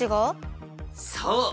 そう。